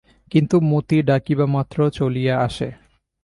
কিন্তু মতি ডাকিবামাত্র চলিয়া আসে।